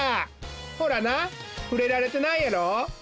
ほらなふれられてないやろ？